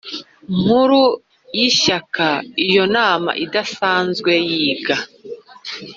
Nkuru y Ishyaka Iyo nama idasanzwe yiga